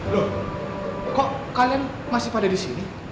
loh kok kalian masih pada di sini